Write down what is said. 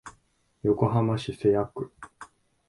横浜市瀬谷区